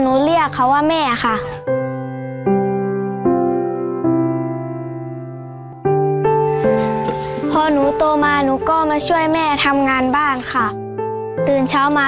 หนูก็เสียใจค่ะที่ไม่มีพ่อมีแม่เหมือนเพื่อนค่ะ